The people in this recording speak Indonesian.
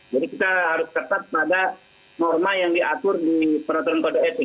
jadi kita harus tetap pada norma yang diatur di peraturan kode etik